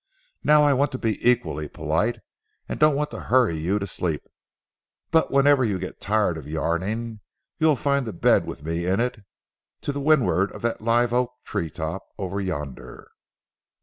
Now I want to be equally polite and don't want to hurry you to sleep, but whenever you get tired of yarning, you'll find the bed with me in it to the windward of that live oak tree top over yonder."